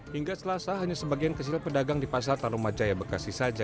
hingga selasa hanya sebagian kecil pedagang di pasar tarumajaya bekasi saja